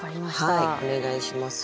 はいお願いします。